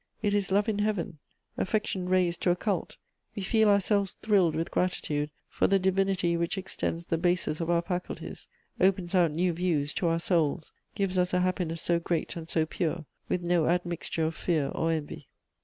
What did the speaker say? It is love in Heaven, affection raised to a cult; we feel ourselves thrilled with gratitude for the divinity which extends the bases of our faculties, opens out new views to our souls, gives us a happiness so great and so pure, with no admixture of fear or envy.